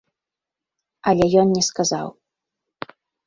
Але ён не сказаў.